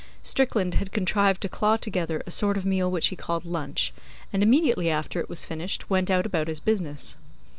Strickland had contrived to claw together a sort of meal which he called lunch, and immediately after it was finished went out about his business.